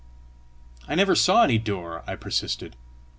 "I never saw any door!" I persisted.